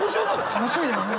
楽しみだよね